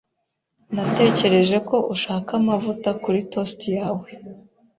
Natekereje ko ushaka amavuta kuri toast yawe.